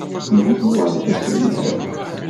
Amek i tuɣaleḍ d aselmad?